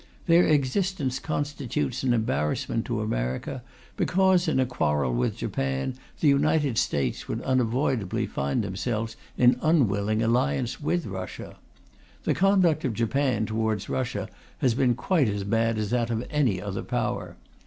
Their existence constitutes an embarrassment to America, because in a quarrel with Japan the United States would unavoidably find themselves in unwilling alliance with Russia. The conduct of Japan towards Russia has been quite as bad as that of any other Power.